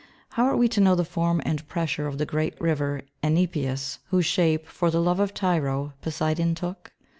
How are we to know the form and pressure of the great river Enipeus, whose shape, for the love of Tyro, Poseidon took?